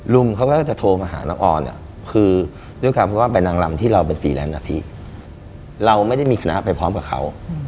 ลุงเค้าก็จะโทรมาหาน้องออนอะคือด้วยการพูดว่าไปนางลำที่เราเป็นฟรีแลนด์อาทิตย์เราไม่ได้มีคณะไปพร้อมกับเค้า